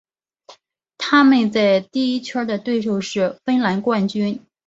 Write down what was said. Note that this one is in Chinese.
他们在第一圈的对手是芬兰冠军。